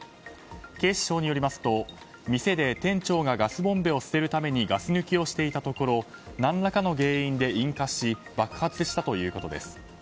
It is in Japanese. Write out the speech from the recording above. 警視庁によりますと店で店長がガスボンベを捨てるためにガス抜きをしていたところ何らかの原因で引火し爆発したということです。